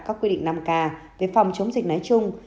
các quy định năm k về phòng chống dịch nói chung